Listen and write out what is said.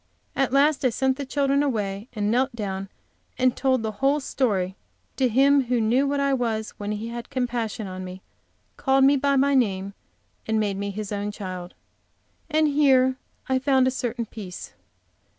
At last I sent the children away, and knelt down and told the whole story to Him who knew what I was when He had compassion on me, called me by my name, and made me His own child. And here, I found a certain peace.